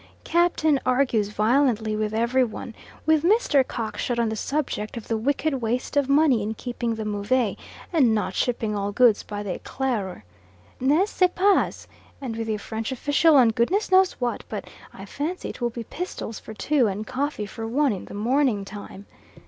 Captain argues violently with every one; with Mr. Cockshut on the subject of the wicked waste of money in keeping the Move and not shipping all goods by the Eclaireur, "N'est ce pas?" and with the French official on goodness knows what, but I fancy it will be pistols for two and coffee for one in the morning time.